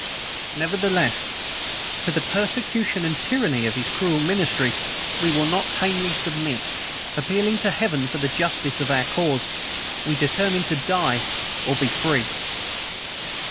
Nevertheless, to the persecution and tyranny of his cruel ministry we will not tamely submit: appealing to Heaven for the justice of our cause, we determine to die or be free.